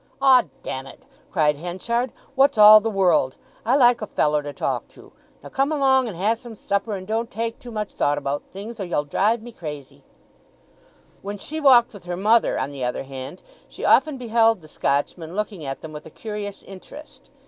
"'Od damn it," cried Henchard, "what's all the world! I like a fellow to talk to. Now come along and hae some supper, and don't take too much thought about things, or ye'll drive me crazy." When she walked with her mother, on the other hand, she often beheld the Scotchman looking at them with a curious interest.